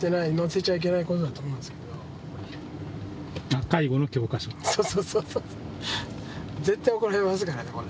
絶対怒られますからねこれ。